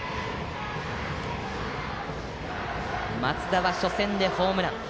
松田は初戦でホームラン。